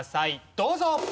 どうぞ！